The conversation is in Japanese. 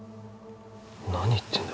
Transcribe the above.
何言ってんだ